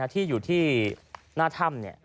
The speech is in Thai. ที่อยู่ที่หน้าถ้ำ